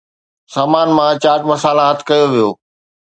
سامان مان چاٽ مسالا هٿ ڪيو ويو